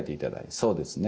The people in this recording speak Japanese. そうですね。